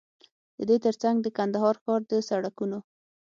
ددې تر څنګ د کندهار ښار د سړکونو